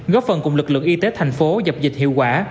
góp phần cùng lực lượng y tế thành phố dập dịch hiệu quả